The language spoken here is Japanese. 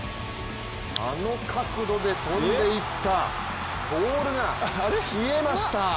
あの角度で飛んでいった、ボールが消えました。